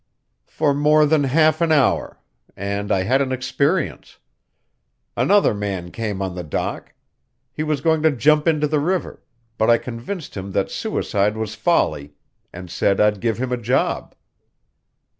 "For more than half an hour; and I had an experience. Another man came on the dock. He was going to jump into the river, but I convinced him that suicide was folly, and said I'd give him a job."